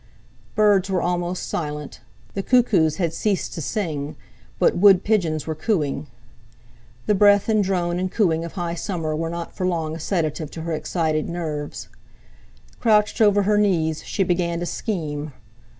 Birds were almost silent, the cuckoos had ceased to sing, but wood pigeons were cooing. The breath and drone and cooing of high summer were not for long a sedative to her excited nerves. Crouched over her knees she began to scheme.